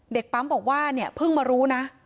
เด็กปั๊มบอกว่าเนี่ยเพิ่งมารู้นะ